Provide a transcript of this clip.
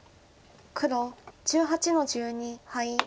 黒１８の十二ハイ。